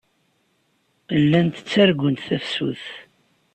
Llant ttargunt tafsut.